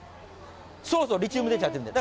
そうそう、リチウム電池入ってるんで。